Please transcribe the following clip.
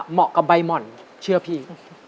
เหมาะกับใบหมอนเชื่อพี่